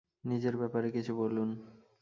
নিজের ব্যাপারে কিছু বলুন।